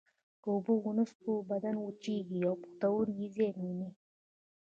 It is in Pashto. که اوبه ونه څښو بدن وچېږي او پښتورګي زیان ویني